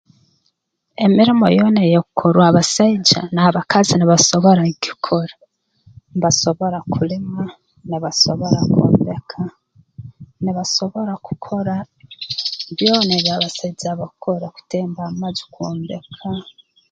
Emirimo yoona eyeekukorwa abasaija n'abakazi nibasobora kugikora mbasobora kulima nibasobora kwombeka nibasobora kukora byona ebi abasaija bakora kutemba amaju kwombeka